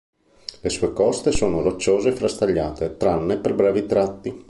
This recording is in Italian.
Le sue coste sono rocciose e frastagliate tranne per brevi tratti.